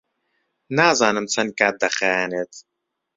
نازانم چەند کات دەخایەنێت.